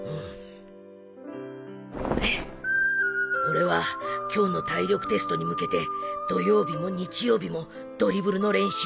俺は今日の体力テストに向けて土曜日も日曜日もドリブルの練習をした